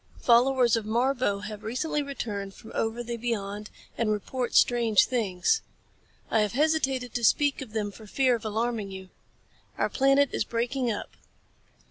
Followers of Marbo have recently returned from over the beyond and report strange things. I have hesitated to speak of them for fear of alarming you. Our planet is breaking up.